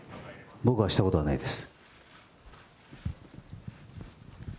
僕はしたことはないです。